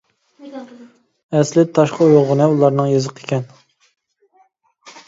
ئەسلى تاشقا ئويۇلغىنى ئۇلارنىڭ يېزىقى ئىكەن.